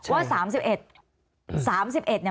ว่า๓๑๓๑เนี่ย